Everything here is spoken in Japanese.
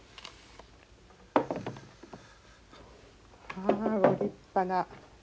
はあご立派な。